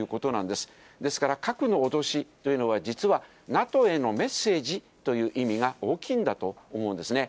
ですから、核の脅しというのは、実はＮＡＴＯへのメッセージという意味が大きいんだと思うんですね。